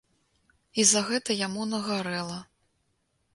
І за гэта яму нагарэла.